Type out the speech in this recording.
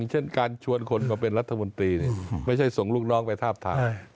เช่นการชวนคนมาเป็นรัฐมนตรีไม่ใช่ส่งลูกน้องไปทาบทาม